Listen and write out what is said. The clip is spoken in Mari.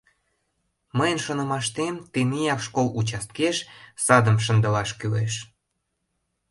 Мыйын шонымаштем, тенияк школ участкеш садым шындылаш кӱлеш.